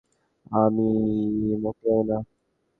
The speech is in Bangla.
আমি --- মোটেও না।